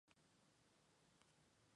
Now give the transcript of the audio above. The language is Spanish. Es nativo del sur de China y Asia tropical.